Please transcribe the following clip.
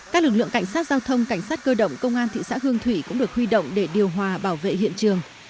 các lực lượng cảnh sát giao thông cảnh sát cơ động công an thị xã hương thủy cũng được huy động để điều hòa bảo vệ hiện trường